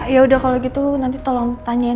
yaudah kalau gitu nanti tolong tanyain